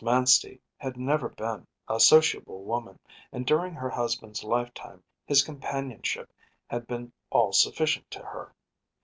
Manstey had never been a sociable woman, and during her husband’s lifetime his companionship had been all sufficient to her.